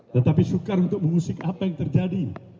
tetapi sukar untuk mengusik apa yang terjadi